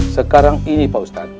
sekarang ini pak ustad